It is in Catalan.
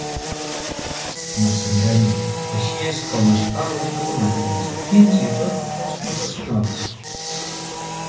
No s'enganyi; així és com es fan les matemàtiques, fins i tot els professionals.